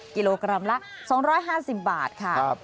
กิโลกรัมละ๒๕๐บาทค่ะ